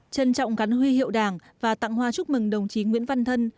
trân trọng cán huy hiệu đảng và tặng hoa chúc mừng đồng chí nguyễn văn thân